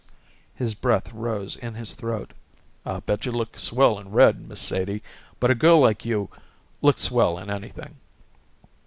His breath rose in his throat. "I bet you look swell in red, Miss Sadie. But a girl like you looks swell in anything."